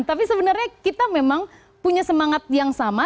tapi sebenarnya kita memang punya semangat yang sama